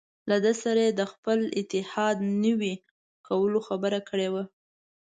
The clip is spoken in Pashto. له ده سره یې د خپل اتحاد نوي کولو خبره کړې وه.